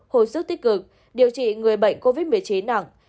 hồi sức tích cực điều trị người bệnh covid một mươi chín nặng